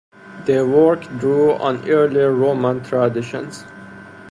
Their work drew on earlier Roman traditions.